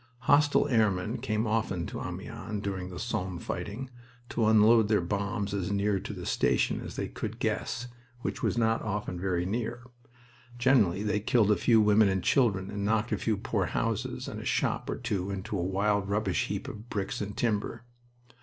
Hostile airmen came often to Amiens during the Somme fighting, to unload their bombs as near to the station as they could guess, which was not often very near. Generally they killed a few women and children and knocked a few poor houses and a shop or two into a wild rubbish heap of bricks and timber.